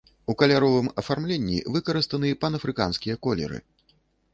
У каляровым афармленні выкарыстаны панафрыканскія колеры.